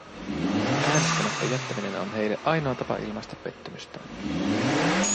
Äänestämättä jättäminen on heille ainoa tapa ilmaista pettymystään.